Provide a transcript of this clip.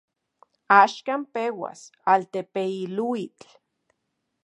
Axkan peuas altepeiluitl.